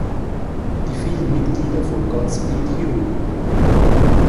Die vielen Mitglieder von Godspeed You!